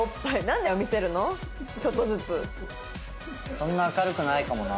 そんな明るくないかもな。